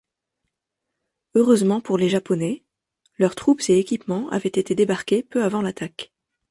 Heureusement pour les japonais, leurs troupes et équipements avaient été débarqués peu avant l'attaque.